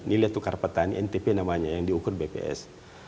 nilai tukar petani ntp namanya yang diukur bps